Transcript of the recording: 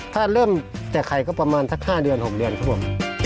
ถ้าเริ่มจากไข่ก็ประมาณสัก๕เดือน๖เดือนครับผม